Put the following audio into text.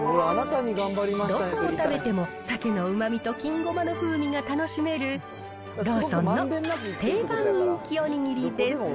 どこを食べても、サケのうまみと金ごまの風味が楽しめる、ローソンの定番人気お握りです。